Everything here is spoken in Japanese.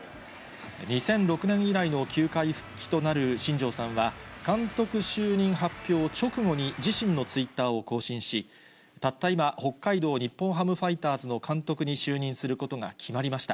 ２００６年以来の球界復帰となる新庄さんは、監督就任発表直後に、自身のツイッターを更新し、たった今、北海道日本ハムファイターズの監督に就任することが決まりました。